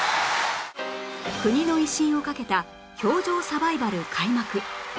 国の威信をかけた氷上サバイバル開幕！